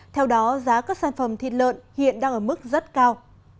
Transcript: theo đó giá các sản phẩm thịt lợn hiện đang ở mức rất cao